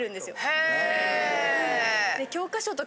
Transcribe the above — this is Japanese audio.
へぇ！